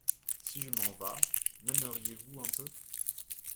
Si je m’en vas… m’aimeriez-vous un peu ?